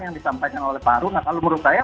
yang disampaikan oleh pak runa kalau menurut saya